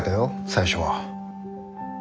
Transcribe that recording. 最初は。